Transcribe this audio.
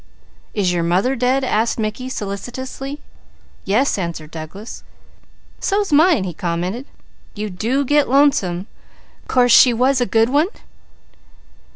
"Is your mother dead?" asked Mickey solicitously. "Yes," answered Douglas. "So's mine!" he commented. "You do get lonesome! Course she was a good one?"